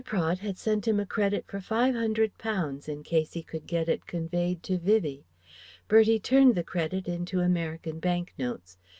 Praed had sent him a credit for Five hundred pounds in case he could get it conveyed to Vivie. Bertie turned the credit into American bank notes.